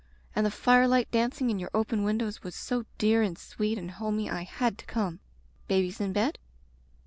And the firelight dancing in your open windows was so dear and sweet and homy I had to come. Babies in bed